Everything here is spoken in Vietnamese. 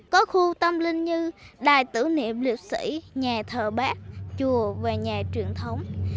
có khu tâm linh như đài tử niệm liệt sĩ nhà thờ bác chùa và nhà truyền thống